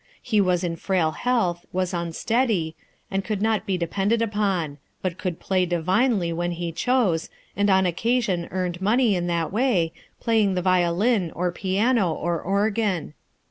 He was in frail health, was unsteady, and could not be depended upon ; but could play divinely when he chose, and on occasion earned money in that way, playing the violin, or piano, or organ.